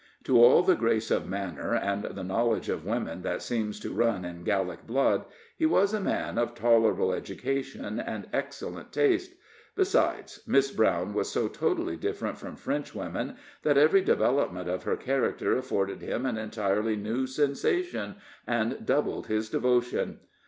To all the grace of manner, and the knowledge of women that seems to run in Gallic blood, he was a man of tolerable education and excellent taste. Besides, Miss Brown was so totally different from French women, that every development of her character afforded him an entirely new sensation, and doubled his devotion.